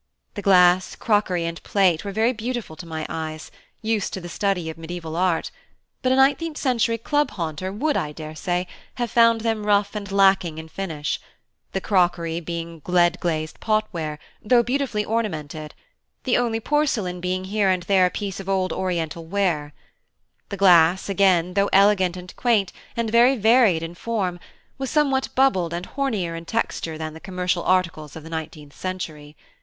The glass, crockery, and plate were very beautiful to my eyes, used to the study of mediaeval art; but a nineteenth century club haunter would, I daresay, have found them rough and lacking in finish; the crockery being lead glazed pot ware, though beautifully ornamented; the only porcelain being here and there a piece of old oriental ware. The glass, again, though elegant and quaint, and very varied in form, was somewhat bubbled and hornier in texture than the commercial articles of the nineteenth century.